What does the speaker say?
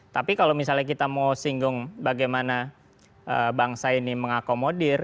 tapi kalau misalnya kita mau singgung bagaimana bangsa ini mengakomodir